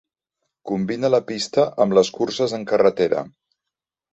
Combina la pista amb les curses en carretera.